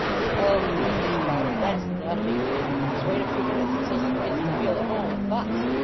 "Oh," I said proudly, " that s nothing. Just wait a few minutes until she begins to feel at home and bucks.